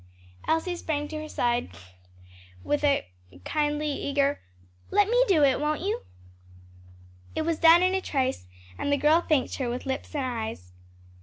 Elsie sprang to her side with a kindly, eager, "Let me do it, won't you?" It was done in a trice and the girl thanked her with lips and eyes.